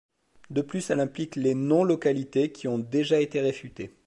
De plus, elle implique les non-localité, qui ont déjà été réfutées.